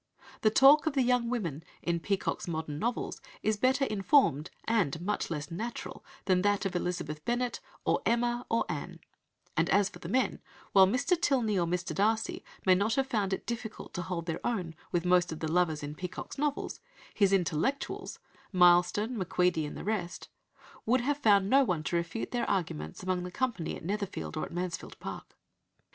The talk of the young women in Peacock's modern novels is better "informed" and much less natural than that of Elizabeth Bennet, or Emma, or Anne, and as for the men, while Mr. Tilney or Mr. Darcy might not have found it difficult to hold their own with most of the lovers in Peacock's novels, his intellectuals Milestone, McQueedy, and the rest would have found no one to refute their arguments among the company at Netherfield or at Mansfield Park.